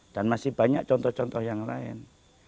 dan masih banyak contoh contoh yang lain